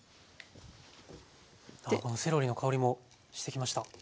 セロリの香りもしてきました。